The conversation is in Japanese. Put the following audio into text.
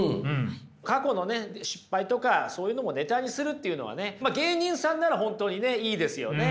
過去の失敗とかそういうのもネタにするっていうのはね芸人さんなら本当にいいですよね。